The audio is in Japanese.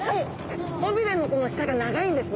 尾びれの下が長いんですね。